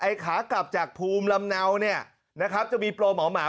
ขากลับจากภูมิลำเนาเนี่ยนะครับจะมีโปรเหมา